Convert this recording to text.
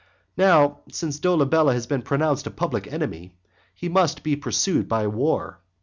VII. Now, since Dolabella has been pronounced a public enemy, he must be pursued by war.